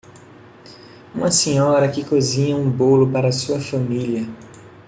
Uma senhora que cozinha um bolo para sua família.